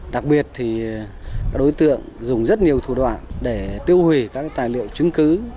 đặc biệt thì các đối tượng dùng rất nhiều thủ đoạn để tiêu hủy các tài liệu chứng cứ